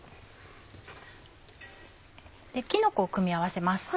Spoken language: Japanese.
きのこを組み合わせます。